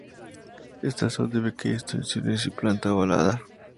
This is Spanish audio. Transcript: Estas son de pequeñas dimensiones y planta ovalada.